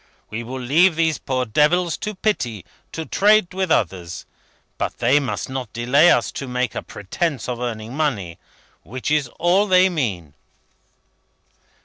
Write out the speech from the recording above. We will leave these poor devils, in pity, to trade with others; but they must not delay us to make a pretence of earning money. Which is all they mean."